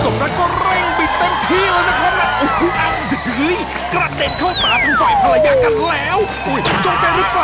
ครั้งนี้นี่เลี้ยงปลาได้เลยเนี่ยตรงเนี่ย